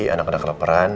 anak anak keleperan